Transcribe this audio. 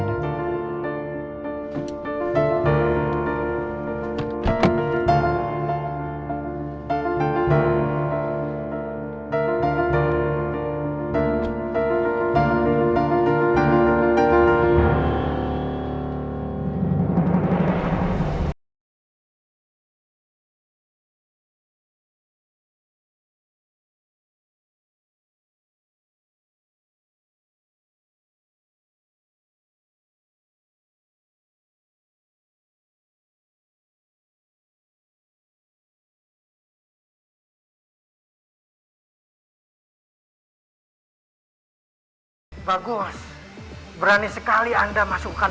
mungkin keluarga adalah salah satu kelemahan terbesar saya